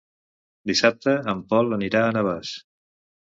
Dissabte en Pol anirà a Navàs.